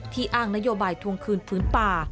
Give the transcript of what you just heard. อ้างนโยบายทวงคืนพื้นป่า